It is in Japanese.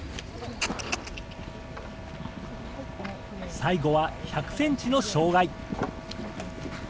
最後は１００センチの障害。